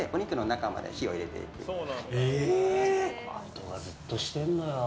音がずっとしてんのよ。